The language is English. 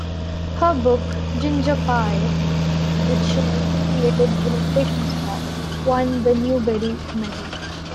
Her book, "Ginger Pye," which she also created illustrations for, won the Newbery Medal.